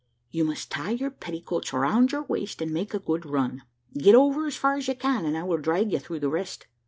"You must tie your petticoats round your waist and make a good run; get over as far as you can, and I will drag you through the rest."